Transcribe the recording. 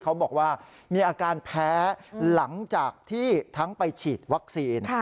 เขาบอกว่ามีอาการแพ้หลังจากที่ทั้งไปฉีดวัคซีน